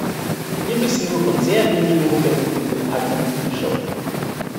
Wir wissen nur von sehr wenigen Unfällen mit den Alternativstoffen.